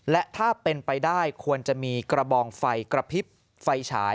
และถ้าเป็นไปได้ควรจะมีกระบองไฟกระพริบไฟฉาย